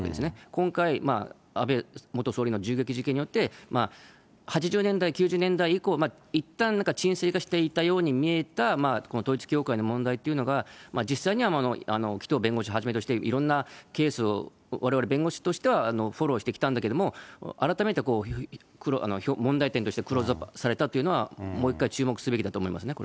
今回、安倍元総理の銃撃事件によって、８０年代、９０年代以降、いったん沈静化していたように見えたこの統一教会の問題っていうのが、実際には紀藤弁護士はじめとして、いろんなケースをわれわれ弁護士としてはフォローしてきたんだけれども、改めて問題点としてクローズアップされたっていうのは、もう一回、注目すべきだと思いますね。